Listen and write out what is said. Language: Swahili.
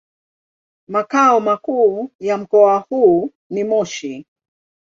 Makao makuu ya mkoa huu ni Moshi.